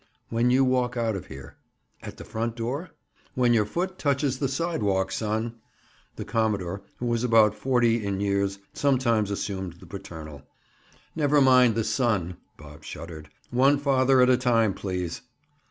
"When you walk out of here," "At the front door?" "When your foot touches the sidewalk, son." The commodore who was about forty in years sometimes assumed the paternal. "Never mind the 'son.'" Bob shuddered. "One father at a time, please!"